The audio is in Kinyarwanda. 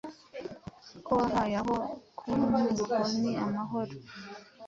Ko wuhanya aho ku nkiko ni amahoro